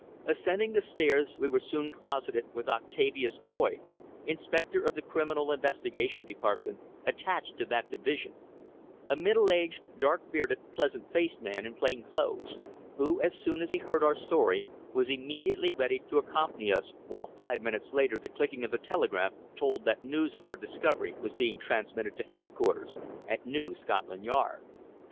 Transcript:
Ascending the stairs we were soon closeted with Octavius Boyd, inspector of the Criminal Investigation Department attached to that Division, a middle aged, dark bearded, pleasant faced man in plain clothes, who, as soon as he heard our story, was immediately ready to accompany us, while five minutes later the clicking of the telegraph told that news of our discovery was being transmitted to headquarters at New Scotland Yard.